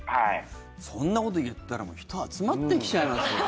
そんなこと言ったら人集まってきちゃいますよ。